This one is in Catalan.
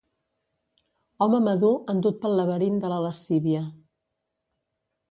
Home madur endut pel laberint de la lascívia.